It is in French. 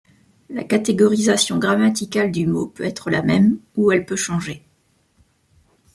La catégorisation grammaticale du mot peut être la même, ou elle peut changer.